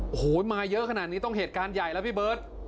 โอ้โหมาเยอะขนาดนี้ต้องเหตุการณ์ใหญ่แล้วพี่เบิร์ต